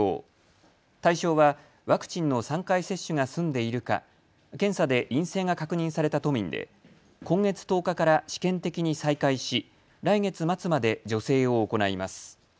対象はワクチンの３回接種が済んでいるか、検査で陰性が確認された都民で今月１０日から試験的に再開し来月末まで助成を行います。